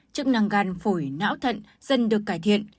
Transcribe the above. chức năng gan phổi não thận dần được cải thiện